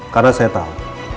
karena saya tahu